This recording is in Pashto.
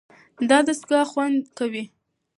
دا دستګاه خوندي ده.